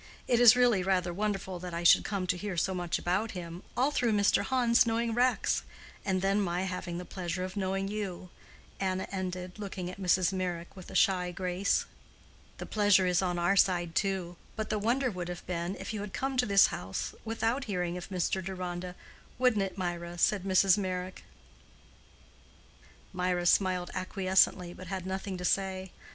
It is really rather wonderful that I should come to hear so much about him, all through Mr. Hans knowing Rex, and then my having the pleasure of knowing you," Anna ended, looking at Mrs. Meyrick with a shy grace. "The pleasure is on our side too; but the wonder would have been, if you had come to this house without hearing of Mr. Deronda—wouldn't it, Mirah?" said Mrs. Meyrick. Mirah smiled acquiescently, but had nothing to say.